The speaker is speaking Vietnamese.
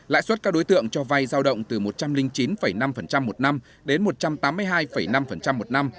lãi suất các đối tượng cho vay giao động từ một trăm linh chín năm một năm đến một trăm tám mươi hai năm một năm